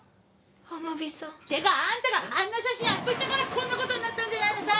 アマビさん。ってかあんたがあんな写真アップしたからこんな事になったんじゃないのさ！